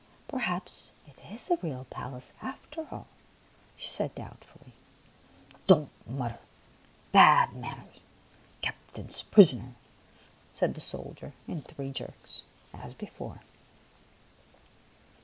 " Perhaps it is a real palace, after all," she said doubtfully. " Don't mutter. Bad manners. Captain's prisoner," said the soldier in three jerks, as before.